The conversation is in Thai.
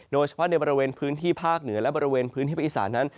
โดยเฉพาะในบริเวณพื้นที่ภาคเหนือและบริเวณพื้นที่ภาคอีสานั้น